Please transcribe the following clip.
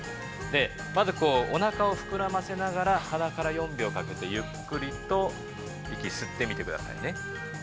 まず、おなかを膨らませながら、鼻から４秒かけてゆっくりと息を吸ってみてくださいね。